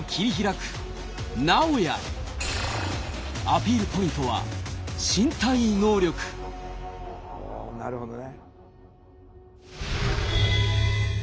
アピールポイントは身体能力おなるほどね。